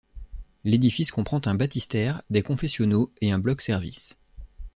L’édifice comprend un baptistère, des confessionaux et un bloc-service.